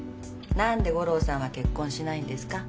なんで五郎さんは結婚しないんですか？